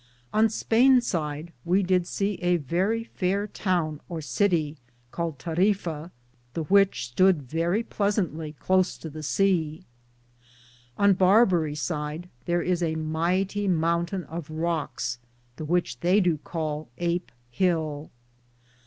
On Spayne side we did se a verrie fayer towne or cittie, caled Tarrefe,^ the which stood verrie pleasantlye close to the seae. On Barbaric side Thar is a myghtie mountayn of Rockes, the which theye do call Ape hill.